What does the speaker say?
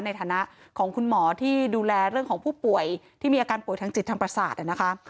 ในฐานะของคุณหมอที่ดูแลเรื่องของผู้ป่วยที่มีอาการป่วยทางจิตทางประสาทนะคะ